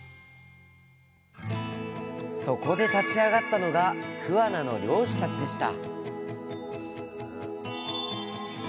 そこで立ち上がったのが桑名の漁師たちでした。